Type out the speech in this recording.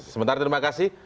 sementara terima kasih